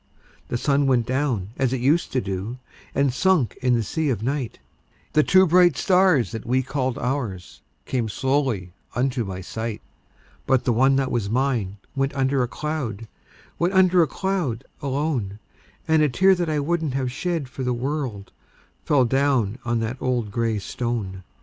The sun went down as it used to do, And sunk in the sea of night; The two bright stars that we called ours Came slowly unto my sight; But the one that was mine went under a cloud Went under a cloud, alone; And a tear that I wouldn't have shed for the world, Fell down on the old gray stone.